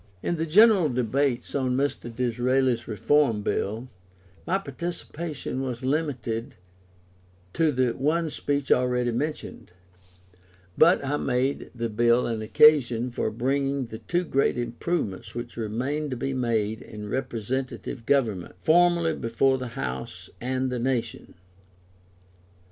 In the general debates on Mr. Disraeli's Reform Bill, my participation was limited to the one speech already mentioned; but I made the Bill an occasion for bringing the two great improvements which remain to be made in Representative Government, formally before the House and the nation.